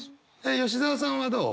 吉澤さんはどう？